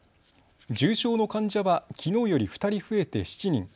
重症の患者はきのうより２人増えて７人。